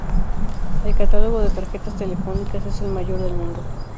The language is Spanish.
El catálogo de Tarjetas Telefónicas es el mayor del mundo.